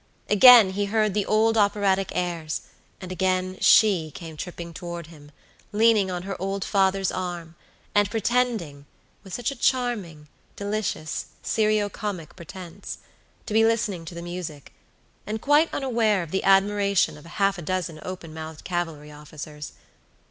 Again he heard the old operatic airs, and again she came tripping toward him, leaning on her old father's arm, and pretending (with such a charming, delicious, serio comic pretense) to be listening to the music, and quite unaware of the admiration of half a dozen open mouthed cavalry officers.